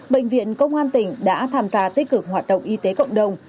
bệnh viện công an tỉnh đã tham gia tích cực hoạt động y tế cộng đồng